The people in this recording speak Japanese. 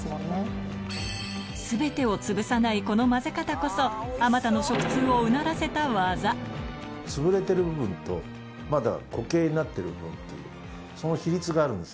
全てを潰さないこの混ぜ方こそあまたの食通をうならせた技潰れてる部分とまだ固形になってる部分っていうその比率があるんですね。